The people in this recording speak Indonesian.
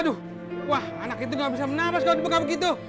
aduh anak itu gak bisa menapis kalo dibuka begitu